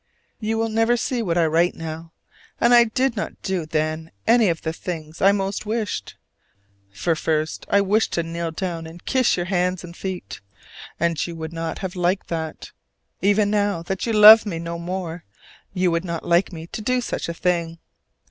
You will never see what I write now; and I did not do then any of the things I most wished: for first I wished to kneel down and kiss your hands and feet; and you would not have liked that. Even now that you love me no more, you would not like me to do such a thing.